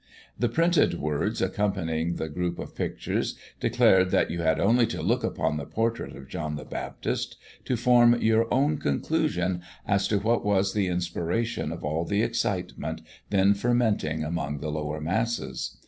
The printed words accompanying the group of pictures declared that you had only to look upon the portrait of John the Baptist to form your own conclusions as to what was the inspiration of all the excitement then fermenting among the lower masses.